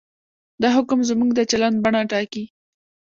دا حکم زموږ د چلند بڼه ټاکي.